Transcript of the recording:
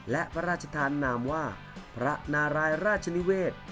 และพระราชทานนามว่าพระนารายราชนิเวศ